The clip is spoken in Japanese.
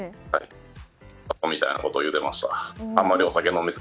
アホみたいなこと言ってました。